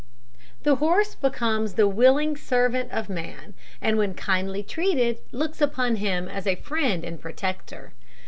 The horse becomes the willing servant of man, and when kindly treated looks upon him as a friend and protector.